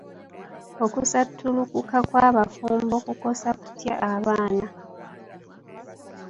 Okusattulikuka kw'abafumbo kukosa kutya baana?